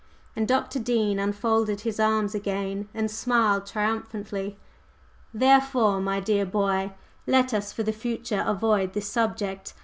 and Dr. Dean unfolded his arms again and smiled triumphantly. "Therefore, my dear boy, let us for the future avoid this subject.